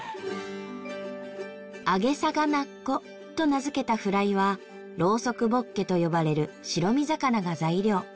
「アゲ魚っ子」と名付けたフライはロウソクボッケと呼ばれる白身魚が材料。